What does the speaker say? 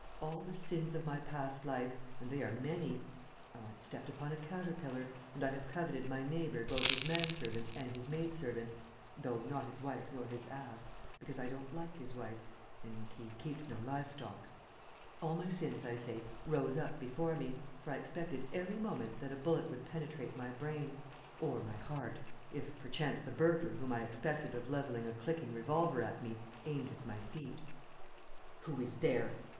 All the sins of my past life, and they are many I once stepped upon a caterpillar, and I have coveted my neighbor both his man servant and his maid servant, though not his wife nor his ass, because I don't like his wife and he keeps no live stock all my sins, I say, rose up before me, for I expected every moment that a bullet would penetrate my brain, or my heart if perchance the burglar whom I suspected of levelling a clicking revolver at me aimed at my feet. "Who is there?"